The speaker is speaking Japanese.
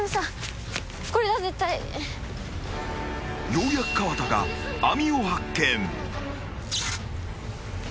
［ようやく河田が網を発見］